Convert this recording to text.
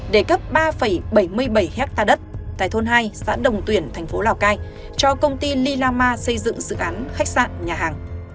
để cấp ba bảy mươi bảy ha đất tại thôn hai xã đồng tuyển tp lào cai cho công ty lila ma xây dựng dự án khách sạn nhà hàng